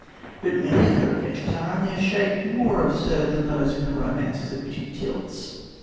But many of her adventures are only a shade more absurd than those in the romances at which he tilts.